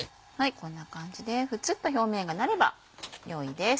こんな感じでフツっと表面がなれば良いです。